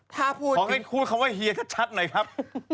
มาพูดคำว่าเฮียค่ะชัดหน่อยครับ